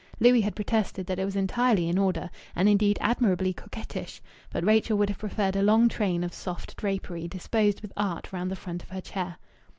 Louis had protested that it was entirely in order, and indeed admirably coquettish, but Rachel would have preferred a long train of soft drapery disposed with art round the front of her chair.